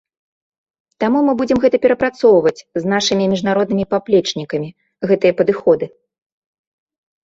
Таму мы будзем гэта прапрацоўваць з нашымі міжнароднымі паплечнікамі, гэтыя падыходы.